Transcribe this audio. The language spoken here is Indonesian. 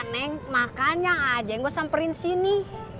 neng makanya aja yang gue samperin sini